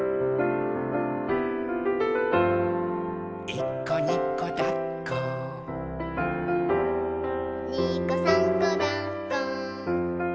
「いっこにこだっこ」「にこさんこだっこ」